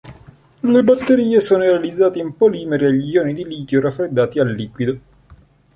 Le batterie sono realizzate in polimeri agli ioni di litio raffreddati a liquido.